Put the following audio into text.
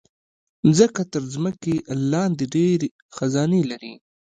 مځکه تر ځمکې لاندې ډېر خزانے لري.